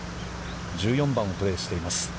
１４番をプレーしています。